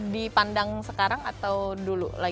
dipandang sekarang atau dulu